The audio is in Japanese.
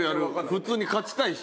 普通に勝ちたいし。